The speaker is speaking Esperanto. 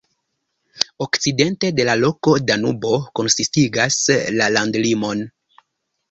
Okcidente de la loko Danubo konsistigas la landlimon.